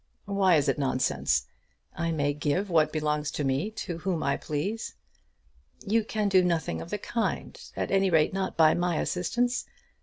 "Why is it nonsense? I may give what belongs to me to whom I please." "You can do nothing of the kind; at any rate, not by my assistance.